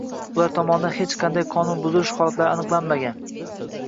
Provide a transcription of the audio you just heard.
Ular tomonidan hech qanday qonun buzilish holatlari aniqlanmagan.